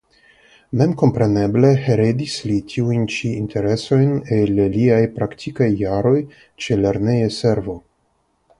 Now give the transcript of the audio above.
Memkompreneble heredis li tiujn ĉi interesojn el liaj praktikaj jaroj ĉe lerneja servo.